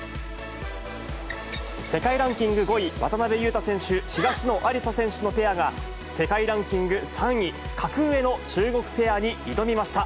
世界ランキング５位、渡辺勇大選手・東野有紗選手のペアが、世界ランキング３位、格上の中国ペアに挑みました。